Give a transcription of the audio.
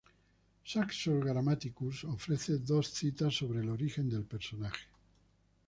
Saxo Grammaticus ofrece dos citas sobre el origen del personaje.